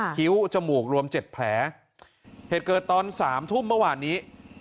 คิ้วจมูกรวมเจ็ดแผลเหตุเกิดตอนสามทุ่มเมื่อวานนี้